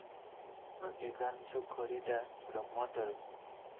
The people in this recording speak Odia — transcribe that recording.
ଅଧିକାଂଶ ଖରିଦା ବ୍ରହ୍ମୋତ୍ତର ।